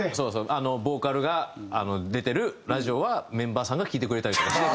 あのボーカルが出てるラジオはメンバーさんが聴いてくれたりとかして。